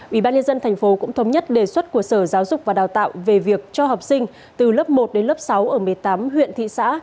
ubnd tp cũng thống nhất đề xuất của sở giáo dục và đào tạo về việc cho học sinh từ lớp một đến lớp sáu ở một mươi tám huyện thị xã